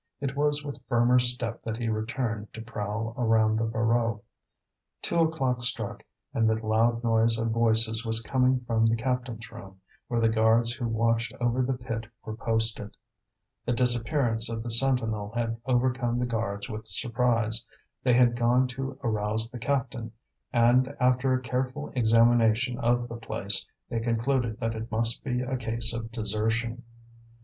It was with firmer step that he returned to prowl around the Voreux. Two o'clock struck, and the loud noise of voices was coming from the captains' room, where the guards who watched over the pit were posted. The disappearance of the sentinel had overcome the guards with surprise; they had gone to arouse the captain, and after a careful examination of the place, they concluded that it must be a case of desertion.